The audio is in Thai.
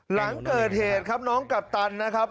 หลังเกิดเหตุครับน้องกัปตันนะครับ